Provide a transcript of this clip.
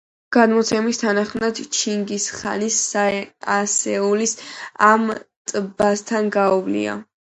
გადმოცემის თანახმად, ჩინგის ხანის ასეულს ამ ტბასთან გაუვლია.